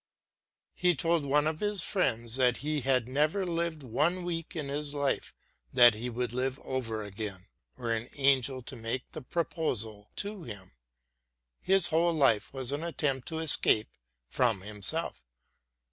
He told one of his friends that he had never lived one week in his life that he would live over again, were an angel to make the proposal to him. His whole life was an attempt to escape from himself.